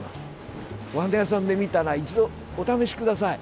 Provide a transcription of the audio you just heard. お花屋さんで見たら一度お試しください。